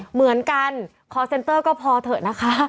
เหมือนกันคอร์เซ็นเตอร์ก็พอเถอะนะคะ